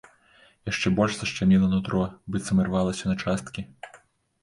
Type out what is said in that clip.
Яшчэ больш зашчаміла нутро, быццам ірвалася на часткі.